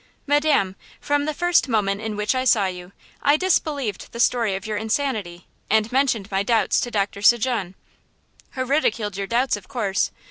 "Madam, from the first moment in which I saw you, I disbelieved the story of your insanity, and mentioned my doubts to Doctor St. Jean–" "Who ridiculed your doubts, of course.